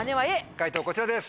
解答こちらです。